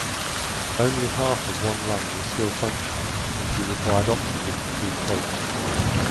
Only half of one lung was still functioning and he required oxygen between takes.